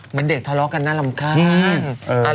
เหมือนเด็กทะเลาะกันแบบนั้น